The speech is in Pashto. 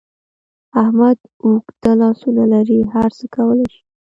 احمد اوږده لاسونه لري؛ هر څه کولای شي.